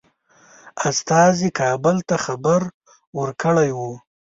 استازي کابل ته خبر ورکړی وو.